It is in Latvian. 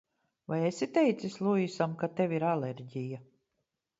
Vai esi teicis Luisam, ka tev ir alerģija?